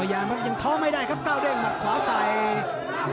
ยังท้อไม่ได้ครับก้าวเด้งขวาใสลงใน